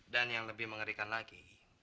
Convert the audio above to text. dan yang lebih mengerikan lagi